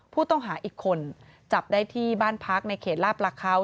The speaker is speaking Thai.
ผู้ต้องหาอีกคนจับได้ที่บ้านพักในเขตลาดประเขา